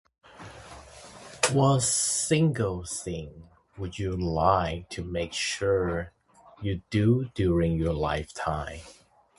What single thing would you like to make sure you do during your lifetime?